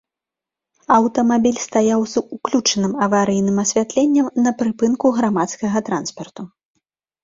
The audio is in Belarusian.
Аўтамабіль стаяў з уключаным аварыйным асвятленнем на прыпынку грамадскага транспарту.